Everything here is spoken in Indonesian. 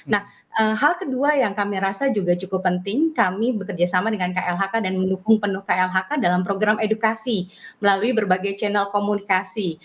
nah hal kedua yang kami rasa juga cukup penting kami bekerjasama dengan klhk dan mendukung penuh klhk dalam program edukasi melalui berbagai channel komunikasi